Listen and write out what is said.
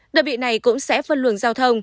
đợt bị này cũng sẽ phân luồng giao thông